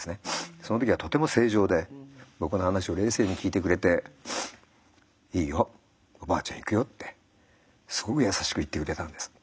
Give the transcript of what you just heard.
その時はとても正常で僕の話を冷静に聞いてくれて「いいよおばあちゃん行くよ」ってすごく優しく言ってくれたんです。